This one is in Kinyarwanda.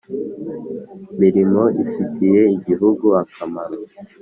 mirimo ifitiye igihugu akamaro